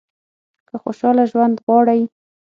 که خوشاله ژوند غواړئ .